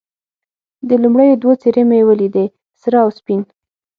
د لومړیو دوو څېرې مې یې ولیدې، سره او سپین.